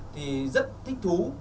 thì rất thích thú